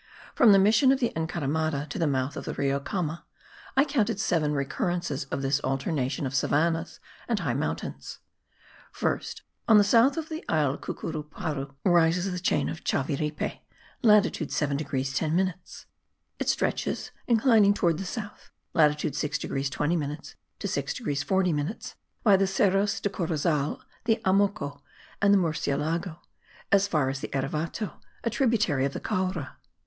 From the mission of the Encaramada to the mouth of the Rio Qama I counted seven recurrences of this alternation of savannahs and high mountains. First, on the south of the isle Cucuruparu rises the chain of Chaviripe (latitude 7 degrees 10 minutes); it stretches, inclining towards the south (latitude 6 degrees 20 minutes to 6 degrees 40 minutes), by the Cerros del Corozal, the Amoco, and the Murcielago, as far as the Erevato, a tributary of the Caura.